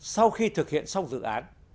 sau khi thực hiện xong dự án